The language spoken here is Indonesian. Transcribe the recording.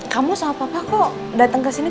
kamu sama papa kok dateng kesini